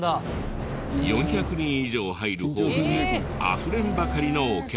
４００人以上入るホールにあふれんばかりのお客さん。